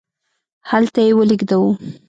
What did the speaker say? هلته یې ولیږدوو.